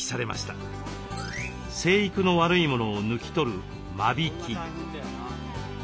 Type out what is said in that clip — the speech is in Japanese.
生育の悪いものを抜き取る間引き。